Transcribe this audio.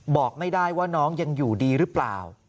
บอกไม่ได้ว่าน้องยังอยู่ดีหรือเปล่า